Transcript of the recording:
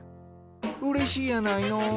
うれしいやないの。